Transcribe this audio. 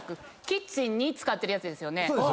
キッチンに使ってるやつですよね。